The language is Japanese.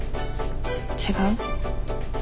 違う？